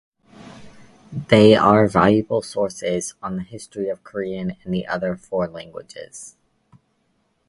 They are valuable sources on the history of Korean and the other four languages.